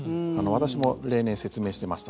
私も例年、説明していました。